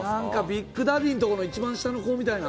ビッグダディのところの一番下の子みたいな。